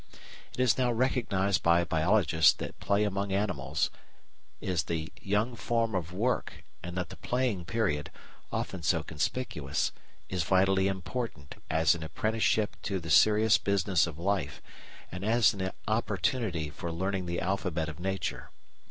It is now recognised by biologists that play among animals is the young form of work, and that the playing period, often so conspicuous, is vitally important as an apprenticeship to the serious business of life and as an opportunity for learning the alphabet of Nature.